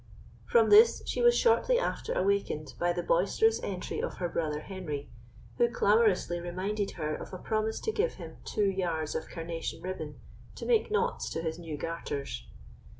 From this she was shortly after awakened by the boisterous entry of her brother Henry, who clamorously reminded her of a promise to give him two yards of carnation ribbon to make knots to his new garters.